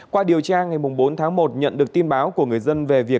qua điều tra ngày bốn tháng một nhận được tin báo của người dân về việc